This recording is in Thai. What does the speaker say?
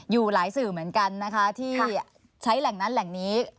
อยู่หลายสื่อเหมือนกันนะคะที่ใช้แหล่งนั้นแหล่งนี้